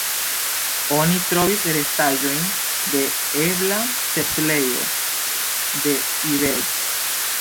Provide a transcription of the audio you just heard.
Oni trovis restaĵojn de ebla setlejo de iberoj.